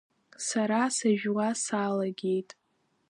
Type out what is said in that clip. Сара сажәуа салагеит.